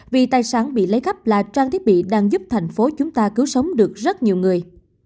vì tài sản bị lấy cắp là trang thiết bị đang giúp thành phố chúng ta cứu sống được rất nhiều người